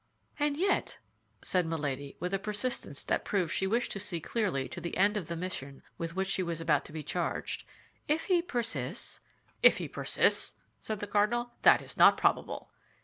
"And yet," said Milady, with a persistence that proved she wished to see clearly to the end of the mission with which she was about to be charged, "if he persists?" "If he persists?" said the cardinal. "That is not probable."